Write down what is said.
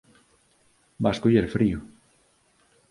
Vas coller frío.